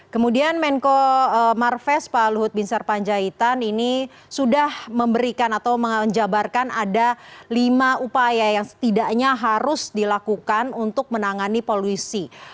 kemudian menko marves pak luhut bin sarpanjaitan ini sudah memberikan atau menjabarkan ada lima upaya yang setidaknya harus dilakukan untuk menangani polusi